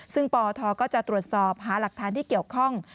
ซึ่งปทก็จะตรวจสอบหาหลักฐานที่เกี่ยวข้อง